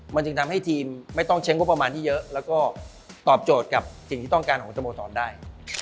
มันจึงทำให้ทีมไม่ต้องใช้งบประมาณที่เยอะแล้วก็ตอบโจทย์กับสิ่งที่ต้องการของสโมสรได้